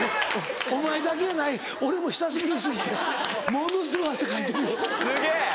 お前だけやない俺も久しぶり過ぎてものすごい汗かいてるよ。